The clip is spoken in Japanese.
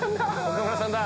岡村さんだ！